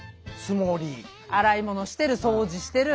洗い物してる掃除してる。